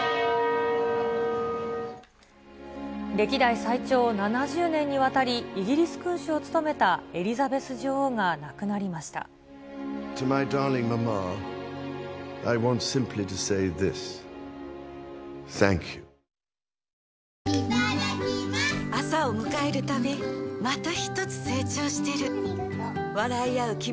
歴代最長７０年にわたり、イギリス君主を務めたエリザベス女王が点を持っていた。